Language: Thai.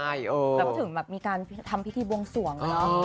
แบบถึงมีการทำพิธีบวงส่วง